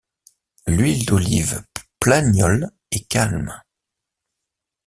L’huile d’olive Plagniol est calme.